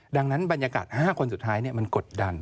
ดังนั้นบรรยากาศ๕คนสุดท้ายมันกดดัน